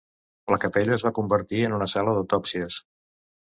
La capella es va convertir en una sala d'autòpsies.